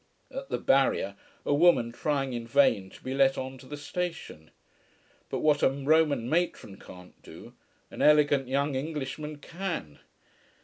At the barrier a woman trying in vain to be let on to the station. But what a Roman matron can't do, an elegant young Englishman can.